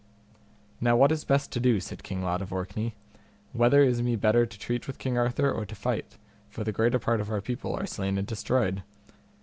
Now what is best to do? said King Lot of Orkney; whether is me better to treat with King Arthur or to fight, for the greater part of our people are slain and destroyed?